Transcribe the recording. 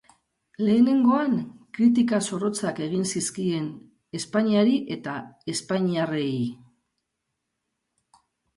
Lehenengoan, kritika zorrotzak egin zizkien Espainiari eta espainiarrei.